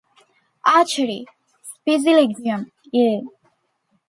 Achery, "Spicilegium", ii.